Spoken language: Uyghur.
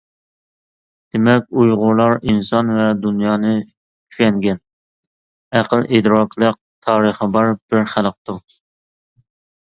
دېمەك، ئۇيغۇرلار ئىنسان ۋە دۇنيانى چۈشەنگەن، ئەقىل-ئىدراكلىق، تارىخى بار بىر خەلقتۇر.